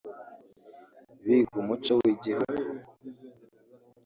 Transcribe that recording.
biga umuco w’igihugu